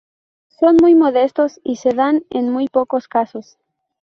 Son muy modestos, y se dan en muy pocos casos.